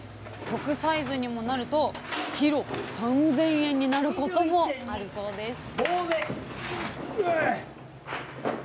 特サイズにもなるとキロ３，０００円になることもあるそうですぼうぜ３８．７！